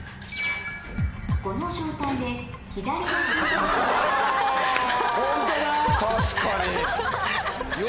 この状態であ！